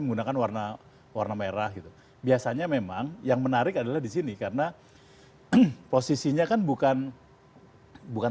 menggunakan warna warna merah itu biasanya memang yang menarik adalah disini karena posisinya kan